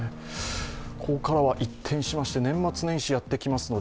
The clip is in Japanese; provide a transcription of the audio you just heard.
ここからは一転しまして、年末年始やってきますので